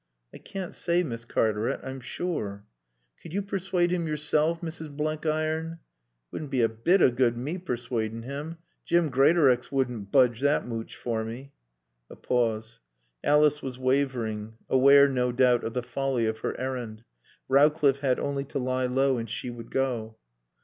"I caann't say, Miss Cartaret, I'm sure." "Could you persuade him yourself, Mrs. Blenkiron?" "It wouldn't be a bit of good me persuadin' him. Jim Greatorex wouldn' boodge that mooch for me." A pause. Alice was wavering, aware, no doubt, of the folly of her errand. Rowcliffe had only to lie low and she would go.